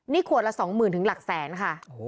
นี่ขวดละ๒๐๐๐ถึงหลักแสนค่ะ